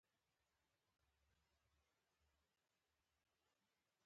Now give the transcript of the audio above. بې اهنګه او بې فرهنګه وي.